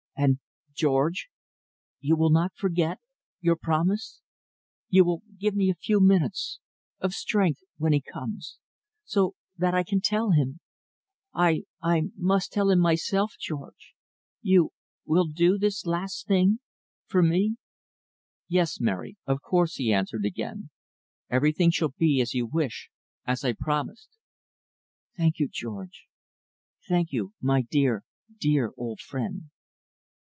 "And George you will not forget your promise? You will give me a few minutes of strength when he comes so that I can tell him? I I must tell him myself George. You will do this last thing for me?" "Yes, Mary, of course," he answered again. "Everything shall be as you wish as I promised." "Thank you George. Thank you my dear dear old friend."